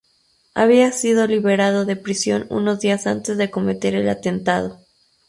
Había sido liberado de prisión unos días antes de cometer el atentado.